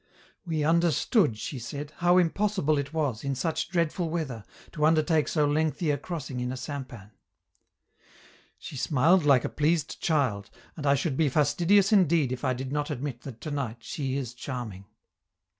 "We understood," she said, "how impossible it was, in such dreadful weather, to undertake so lengthy a crossing in a sampan." She smiled like a pleased child, and I should be fastidious indeed if I did not admit that to night she is charming.